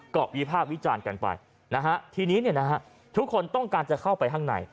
ก็วิพากษ์วิจารณ์กันไปนะฮะทีนี้ทุกคนต้องการจะเข้าไปข้างใน